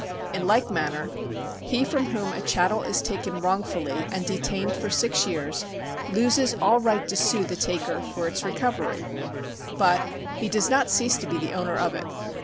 In like manner he from whom a chattel is taken wrongfully, and detained for six years, loses all right to sue the taker for its recovery ; but he does not cease to be the owner of it.